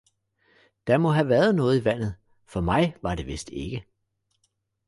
der må have været noget i vandet, for mig var det vist ikke!